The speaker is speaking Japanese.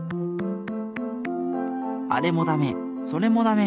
あれもダメそれもダメ。